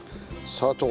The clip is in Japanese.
砂糖。